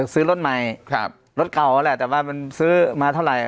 ซื้อรถใหม่รถเก่าแหละแต่ว่ามันซื้อมาเท่าไหร่